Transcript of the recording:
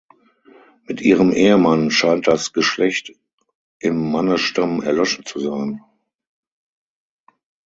Mit ihrem Ehemann scheint das Geschlecht im Mannesstamm erloschen zu sein.